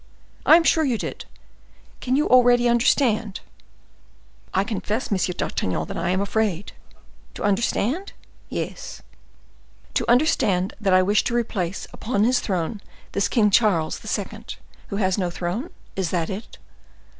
"I am sure you did. Can you already understand?" "I confess, M. d'Artagnan, that I am afraid—" "To understand?" "Yes." "To understand that I wish to replace upon his throne this King Charles II., who has no throne? Is that it?"